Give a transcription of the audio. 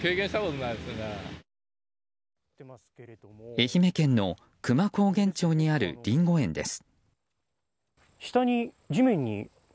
愛媛県の久万高原町にあるリンゴ園です。